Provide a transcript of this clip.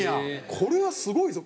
これはすごいぞ。